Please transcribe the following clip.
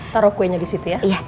taruh kuenya di situ ya